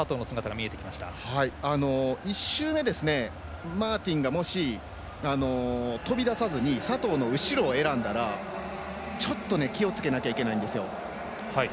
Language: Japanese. １周目、マーティンがもし飛び出さずに佐藤の後ろを選んだらちょっと気をつけなければいけないんですよ。